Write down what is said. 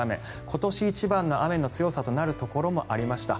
今年一番の雨の強さとなるところもありました。